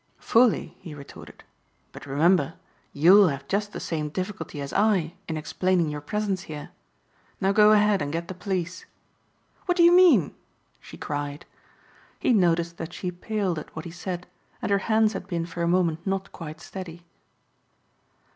"Fully," he retorted, "but remember you'll have just the same difficulty as I in explaining your presence here. Now go ahead and get the police." "What do you mean?" she cried. He noticed that she paled at what he said and her hands had been for a moment not quite steady.